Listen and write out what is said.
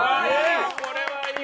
わあこれはいい！